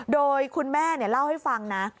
โดยคุณแม่เล่าให้ฟังนะ